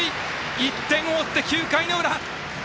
１点を追って９回の裏。